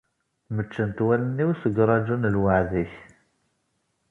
Mmeččent wallen-iw seg uraǧu n lweɛd-ik.